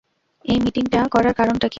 এই মিটিংটা করার কারণটা কি?